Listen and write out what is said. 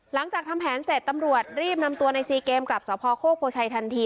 หลังจากทำแผนเสร็จตำรวจรีบนำตัวในซีเกมกลับสพโคกโพชัยทันที